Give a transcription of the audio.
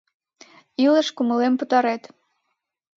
Т.- Илыш кумылем пытарет!